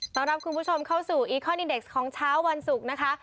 รับคุณผู้ชมเข้าสู่อีคอนอินเด็กซ์ของเช้าวันศุกร์นะคะ